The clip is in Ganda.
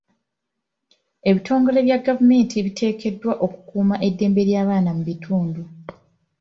Ebitongole bya gavumenti biteekeddwa okukuuma eddembe ly'abaana mu bitundu.